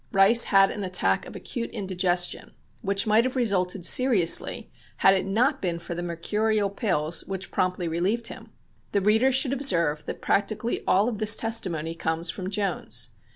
] On September 16th Rice had an attack of acute indigestion, which might have resulted seriously had it not been for the mercurial pills which promptly relieved him. The reader should observe that practically all of this testimony comes from Jones.